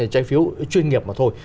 trái phiếu chuyên nghiệp mà thôi